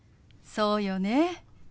そうよね。